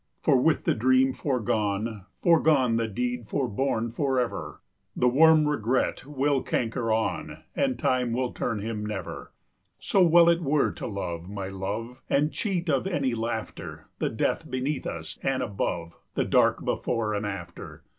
For with the dream foregone, foregone, The deed foreborn forever, The worm Regret will canker on, And time will turn him never. So were it well to love, my love, And cheat of any laughter The fate beneath us, and above, The dark before and after.